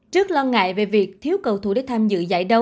trước lo ngại về việc thiếu cầu thủ đế tham dự